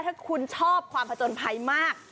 ถ้าคุณชอบความผจญภัยมาก